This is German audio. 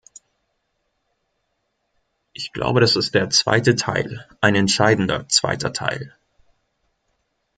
Ich glaube, das ist der zweite Teil, ein entscheidender zweiter Teil.